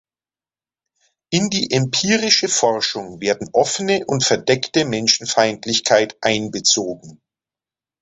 In die empirische Forschung werden offene und verdeckte Menschenfeindlichkeit einbezogen.